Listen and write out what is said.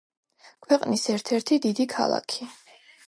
ქვეყნის ერთ-ერთი დიდი ქალაქი.